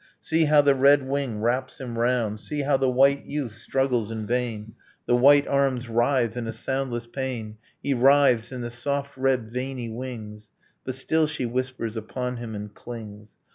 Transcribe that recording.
See how the red wing wraps him round, See how the white youth struggles in vain! The weak arms writhe in a soundless pain; He writhes in the soft red veiny wings, But still she whispers upon him and clings.